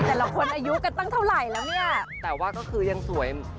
แต่ละคนอายุกันตั้งเท่าไหร่แล้วเนี่ยแต่ว่าก็คือยังสวย